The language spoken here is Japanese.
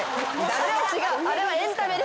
あれはエンタメですから。